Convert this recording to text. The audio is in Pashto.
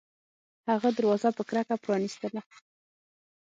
هغه دروازه په کرکه پرانیستله